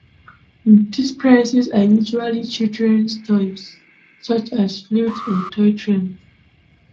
These prizes are usually children's toys, such as flutes or toy trains.